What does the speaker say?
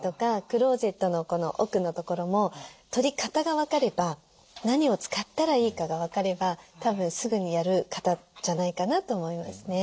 クローゼットの奥のところも取り方が分かれば何を使ったらいいかが分かればたぶんすぐにやる方じゃないかなと思いますね。